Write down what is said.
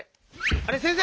あれ⁉先生！